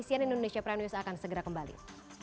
cnn indonesia prime news akan segera kembali